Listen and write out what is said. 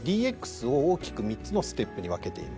ＤＸを大きく３つのステップに分けています。